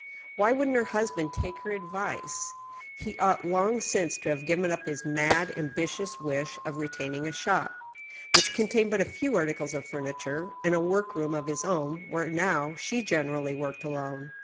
Why wouldn't her husband take her advice ? He ought long since to have given up his mad, ambitious wish of retaining a shop, which cont^ned but a few articles of furniture, and a work room of his own, where now she generally worked alone.